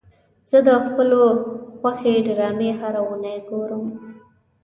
زه د خپلو خوښې ډرامې هره اونۍ ګورم.